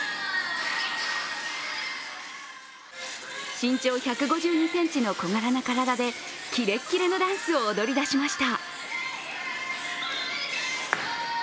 身長１５２ｃｍの小柄な体でキレッキレのダンスを踊りだしました。